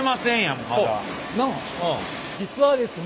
実はですね